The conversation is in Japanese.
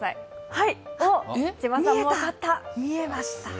はい、見えた、見えました。